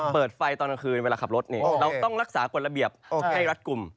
เปิดไฟตอนกลางคืนเวลาขับรถเราต้องรักษากฎระเบียบให้รัดกลุ่ม